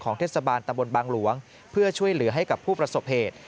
เทศบาลตะบนบางหลวงเพื่อช่วยเหลือให้กับผู้ประสบเหตุ